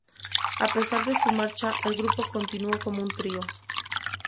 A pesar de su marcha, el grupo continuó como un trío.